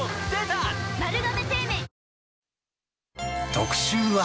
特集は。